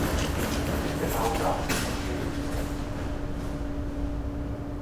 Genau das verstehe ich nicht.